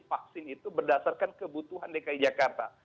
vaksin itu berdasarkan kebutuhan dki jakarta